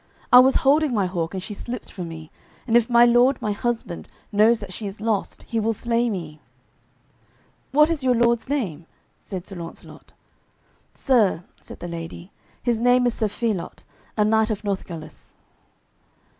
I was holding my hawk and she slipped from me, and if my lord my husband knows that she is lost he will slay me." "What is your lord's name?" said Sir Launcelot. "Sir," said the lady, "his name is Sir Phelot, a knight of Northgalis."